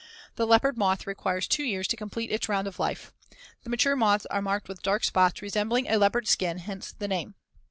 Fig. 105. The leopard moth requires two years to complete its round of life. The mature moths are marked with dark spots resembling a leopard's skin, hence the name.